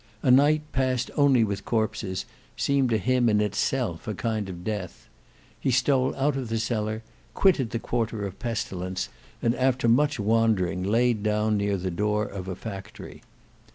A night passed only with corpses seemed to him in itself a kind of death. He stole out of the cellar, quitted the quarter of pestilence, and after much wandering laid down near the door of a factory.